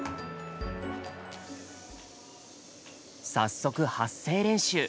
早速発声練習。